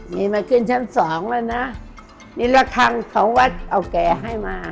นี่มาขึ้นชั้นสองแล้วนะนี่ละครั้งสองวัดเก่าแก่ให้มา